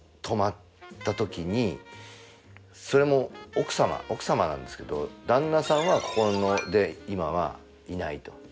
泊まったときにそれも奥様なんですけど旦那さんは今はいないと。